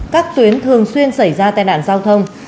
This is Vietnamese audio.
các tuyến thường xuyên xảy ra tai nạn giao thông